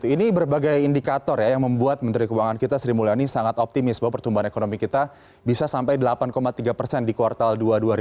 ini berbagai indikator ya yang membuat menteri keuangan kita sri mulyani sangat optimis bahwa pertumbuhan ekonomi kita bisa sampai delapan tiga persen di kuartal dua dua ribu dua puluh